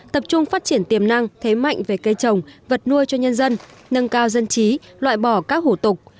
tập trung phát triển tiềm năng thế mạnh về cây trồng vật nuôi cho nhân dân nâng cao dân trí loại bỏ các hủ tục